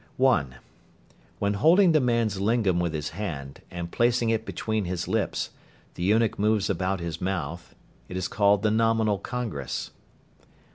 (1). When, holding the man's lingam with his hand, and placing it between his lips, the eunuch moves about his mouth, it is called the "nominal congress."